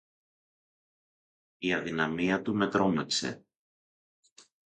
Η αδυναμία του με τρόμαξε